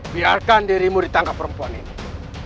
biarkan dirimu ditangkap perempuan ini